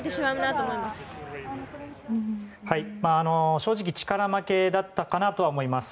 正直力負けだったかなとは思います。